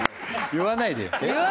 言わないでよ。